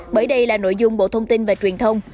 bởi đây là nội dung bộ thông tin và truyền thông